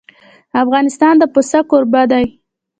افغانستان د پسه کوربه دی.